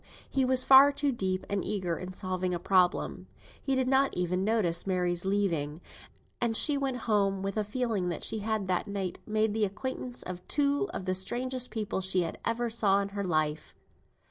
he was far too deep and eager in solving a problem. He did not even notice Mary's leave taking, and she went home with the feeling that she had that night made the acquaintance of two of the strangest people she ever saw in her life.